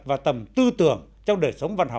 và tầm tư tưởng trong đời sống văn học